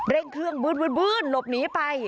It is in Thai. เร่งเครื่องบื้นหลบหนีไป